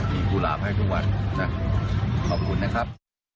มีกุหลาบให้ทุกวันนะขอบคุณนะครับ